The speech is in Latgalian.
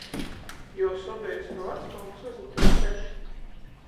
Juos obejis ar vacmamu sasateik reši.